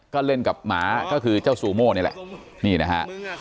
ก็เล่นกับหมาก็คือเจ้าสูโม่นี่แหละ